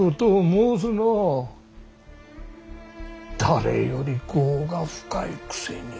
誰より業が深いくせに。